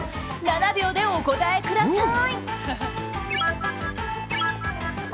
７秒でお答えください。